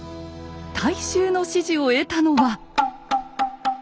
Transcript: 大衆の支持を得たのは。